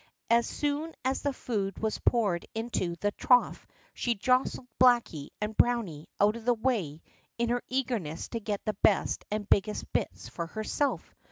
As soon as the food was poured into the trough she jostled Blacky and Browny out of the way in her eagerness to get the best and biggest bits for herself.